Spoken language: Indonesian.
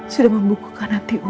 sudah membukukan hatimu